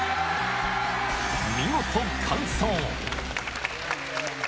見事完走。